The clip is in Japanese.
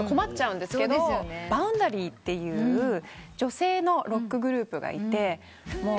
バウンダリーっていう女性のロックグループがいて。